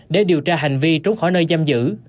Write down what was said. để điều tra hành vi trốn khỏi nơi giam giữ